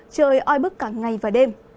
trời oi bức cả ngày và đêm